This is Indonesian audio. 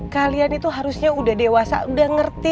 kalian itu harusnya udah dewasa udah ngerti